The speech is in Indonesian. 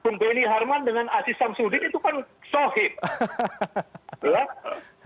bung beni harman dengan asis sam sudir itu kan sohib